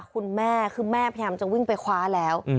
คุณแม่คือแม่พยายามจะวิ่งไปคว้าแล้ว